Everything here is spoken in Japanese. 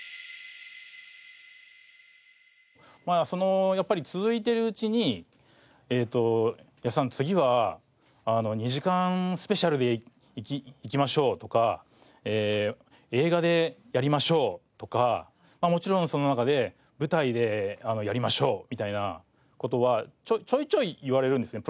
まあそのやっぱり続いてるうちに八津さん次は２時間スペシャルでいきましょうとか映画でやりましょうとかもちろんその中で舞台でやりましょうみたいな事はちょいちょい言われるんですね